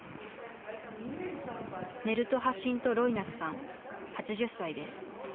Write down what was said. メルト・ハシント・ロイナスさん８０歳です。